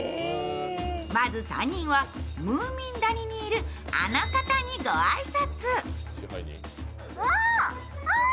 まず３人はムーミン谷にいるあの方に御挨拶。